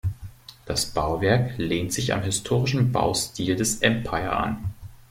Das Bauwerk lehnt sich am historischen Baustil des Empire an.